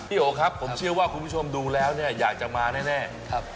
โอครับผมเชื่อว่าคุณผู้ชมดูแล้วเนี่ยอยากจะมาแน่